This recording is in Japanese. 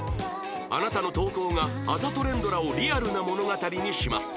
あなたの投稿があざと連ドラをリアルな物語にします